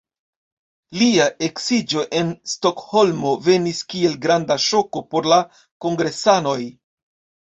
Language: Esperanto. Lia eksiĝo en Stokholmo venis kiel granda ŝoko por la kongresanoj.